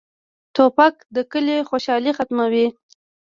توپک د کلي خوشالي ختموي.